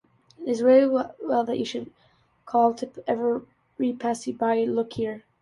It is well that you should call to every passerby, "Look here!"